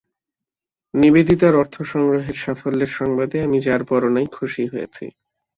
নিবেদিতার অর্থ-সংগ্রহের সাফল্যের সংবাদে আমি যার-পর-নাই খুশী হয়েছি।